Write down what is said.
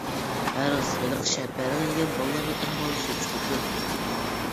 ھە راست، ھېلىقى شەپەرەڭ يېگەن بالىلارنىڭ ئەھۋالىنى سۈرۈشتۈردۈم.